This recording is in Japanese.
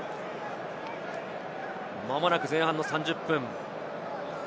まもなく前半の３０分。